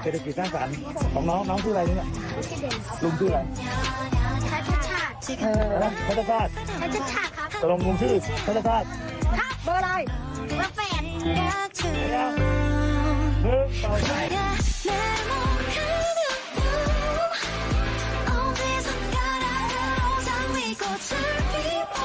โปรดติดตามตอนต่อไป